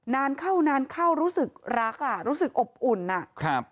นานเข้านานเข้ารู้สึกรักอ่ะรู้สึกอบอุ่นอ่ะครับ